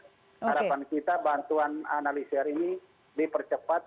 harapan kita bantuan analisir ini dipercepat